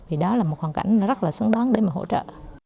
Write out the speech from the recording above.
vì đó là một hoàn cảnh rất là xứng đoán để mà hỗ trợ